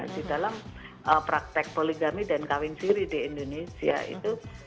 di dalam praktek poligami dan kawin siri di indonesia itu